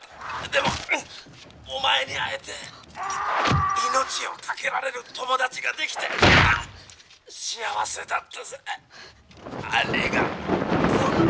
でもお前に会えて命を懸けられる友達ができて幸せだったぜ。ありがと」。